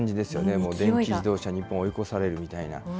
もう電気自動車に追い越されるみたいな。